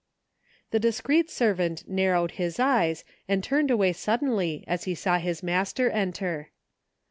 The discreet servant narrowed his eyes and turned away suddenly as he saw his master enter.